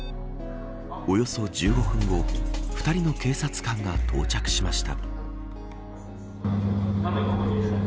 およそ１５分後２人の警察官が到着しました。